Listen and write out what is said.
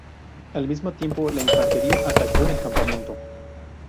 Al mismo tiempo, la infantería atacó el campamento.